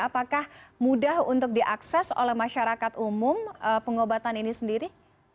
apakah mudah untuk diakses oleh masyarakat umum pengobatan ini sendiri